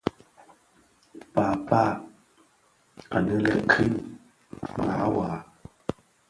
Paapaa anë lè Krine mawar.